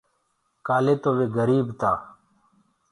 ڪآلي تو وي گريٚب تا۔